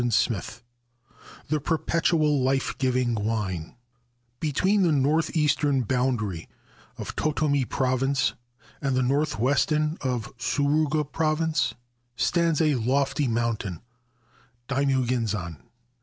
23 XXIX THE PERPETUAL LIFE GIVING WINE BETWEEN the north eastern boundary of Totomi Province and the north western of Suruga Province stands a lofty mountain, Daimugenzan.